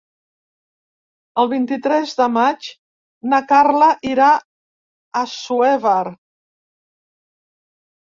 El vint-i-tres de maig na Carla irà a Assuévar.